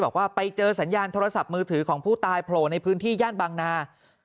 บอกว่าไปเจอสัญญาณโทรศัพท์มือถือของผู้ตายโผล่ในพื้นที่ย่านบางนา